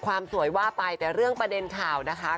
ความสวยว่าไปแต่เรื่องประเด็นข่าวนะคะ